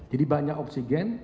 jadi banyak oksigen